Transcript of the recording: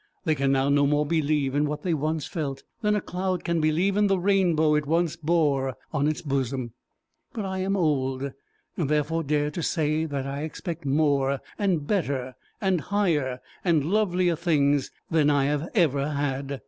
They can now no more believe in what they once felt, than a cloud can believe in the rainbow it once bore on its bosom. But I am old, therefore dare to say that I expect more and better and higher and lovelier things than I have ever had.